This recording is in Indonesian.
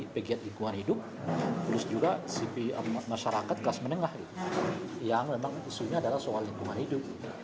pegiat lingkungan hidup terus juga sipi masyarakat kelas menengah yang memang isunya adalah soal lingkungan hidup